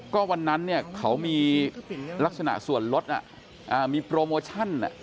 ก็วันนั้นเนี่ยเขามีลักษณะส่วนรถมีโปรโมชั่น